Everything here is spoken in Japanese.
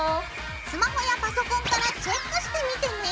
スマホやパソコンからチェックしてみてね。